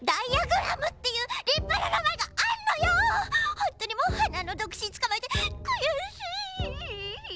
ほんとにもうはなのどくしんつかまえてくやしい。